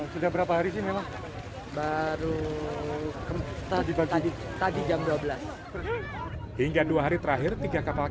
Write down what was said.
sudah berapa hari sih memang baru tadi jam dua belas hingga dua hari terakhir tiga kapal